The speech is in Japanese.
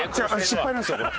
失敗なんですこれ。